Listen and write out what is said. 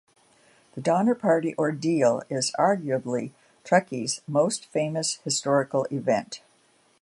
The Donner Party ordeal is arguably Truckee's most famous historical event.